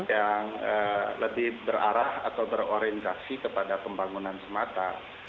yang lebih berarah atau berorientasi kepada pembangunan semata